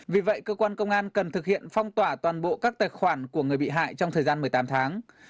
vì vậy cơ quan công an cần thực hiện phong tỏa toàn bộ các tài khoản của người bị hại trong thời gian một mươi tám tháng